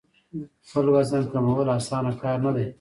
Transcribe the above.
خپل وزن کمول اسانه کار نه دی.